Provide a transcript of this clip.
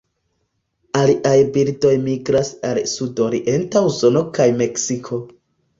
Aliaj birdoj migras al sudorienta Usono kaj Meksiko.